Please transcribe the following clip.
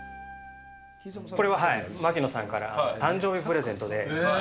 これは槙野さんから誕生日プレゼントで。